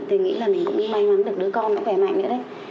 thì nghĩ là mình cũng đi may mắn được đứa con có khỏe mạnh nữa đấy